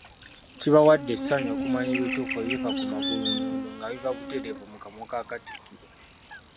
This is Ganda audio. Kkibawadde essanyu okumanya ebituufu ebifa ku Magulunnyondo nga biva buteerevu mu kamwa ka Katikkiro